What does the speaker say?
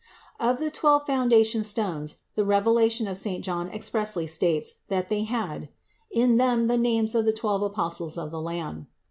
Of the twelve foundation stones the Revelation of St. John expressly states that they had "in them the names of the twelve apostles of the Lamb."